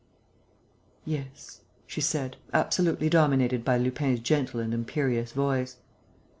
"Yes," she said, absolutely dominated by Lupin's gentle and imperious voice.